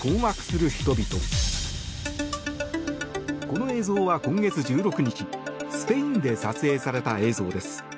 この映像は今月１６日スペインで撮影された映像です。